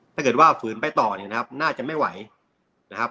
ถ้าเกิดว่าฝืนไปต่อเนี่ยนะครับน่าจะไม่ไหวนะครับ